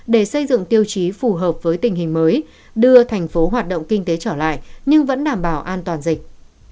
để xây dựng tiêu chí phù hợp với tình hình mới đưa thành phố hoạt động kinh tế trở lại nhưng vẫn đảm bảo an toàn dịch